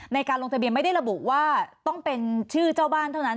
ในการลงทะเบียนไม่ได้ระบุว่าต้องเป็นชื่อเจ้าบ้านเท่านั้น